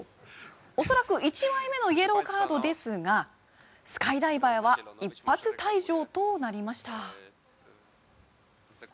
恐らく１枚目のイエローカードですがスカイダイバーは一発退場となりました。